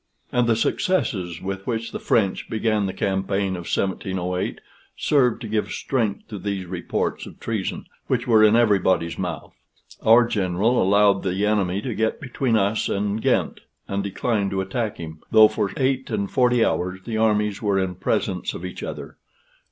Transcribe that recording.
And the successes with which the French began the campaign of 1708 served to give strength to these reports of treason, which were in everybody's mouth. Our general allowed the enemy to get between us and Ghent, and declined to attack him, though for eight and forty hours the armies were in presence of each other.